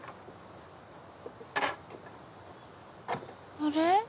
あれ？